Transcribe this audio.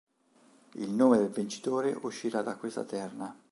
Il nome del vincitore uscirà da questa terna.